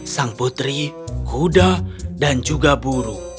sang putri kuda dan juga buru